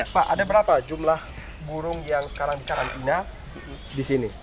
pak ada berapa jumlah burung yang sekarang dikarantina di sini